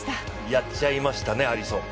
やっちゃいましたね、アリソン。